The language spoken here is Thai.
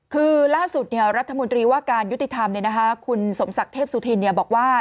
คือล่าสุดรัฐมนตรีว่าการยุติธรรมคุณสมศักดิ์เทพสุธินบอกว่า